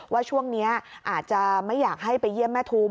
ว่าช่วงนี้อาจจะไม่อยากให้ไปเยี่ยมแม่ทุม